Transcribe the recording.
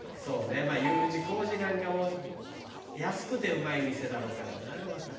まあＵ字工事なんかも安くてうまい店だろうからなまたな。